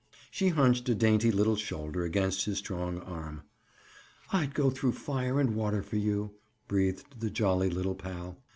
She hunched a dainty little shoulder against his strong arm. "I'd go through fire and water for you," breathed the jolly little pal.